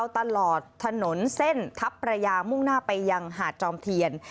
ตลอดถนนเส้นทัพประยามุ่งหน้าไปยังหาดจอมเทียน